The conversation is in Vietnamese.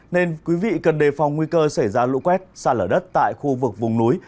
nên quý vị cần đề phòng nguy cơ xảy ra lũ quét xa lở đất tại khu vực vùng núi